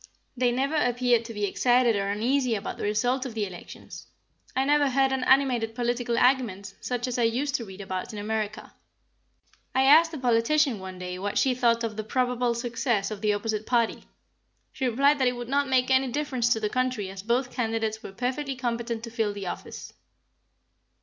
They never appeared to be excited or uneasy about the result of the elections. I never heard an animated political argument, such as I used to read about in America. I asked a politician one day what she thought of the probable success of the opposite party. She replied that it would not make any difference to the country as both candidates were perfectly competent to fill the office.